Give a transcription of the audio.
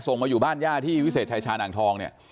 ส่งมาอยู่บ้านย่าที่วิเศษชายชานอ่างทอง